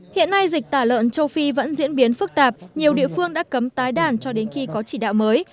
hiện nay dịch tả lợn châu phi vẫn diễn biến phức tạp nhiều địa phương đã cấm tái đàn cho đến khi có chỉ đạo mới